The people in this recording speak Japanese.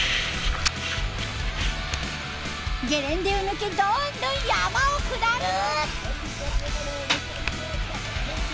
ゲレンデを抜けどんどん山を下る！